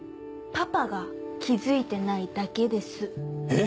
パパが気付いてないだけですえっ